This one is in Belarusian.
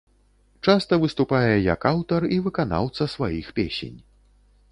Часта выступае як аўтар і выканаўца сваіх песень.